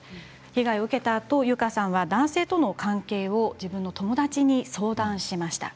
被害を受けたあとゆかさんは男性との関係を自分の友達に相談しました。